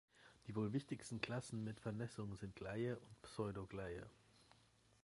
Die wohl wichtigsten Klassen mit Vernässung sind Gleye und Pseudogleye.